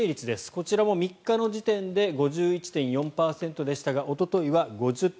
こちらも３日の時点で５１．４％でしたがおとといは５０．５％。